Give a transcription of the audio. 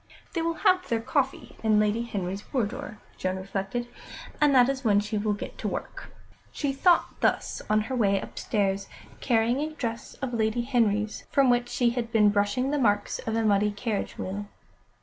"They will have their coffee in Lady Henry's boudoir," Joan reflected, "and that is when she will get to work." She thought thus on her way upstairs, carrying a dress of Lady Henry's, from which she had been brushing the marks of a muddy carriage wheel.